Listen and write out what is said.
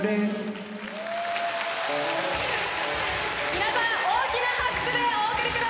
皆さん大きな拍手でお送りください！